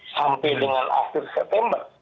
sampai dengan akhir september